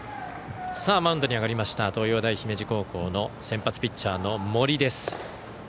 マウンドに上がりました東洋大姫路高校の先発ピッチャーの森です。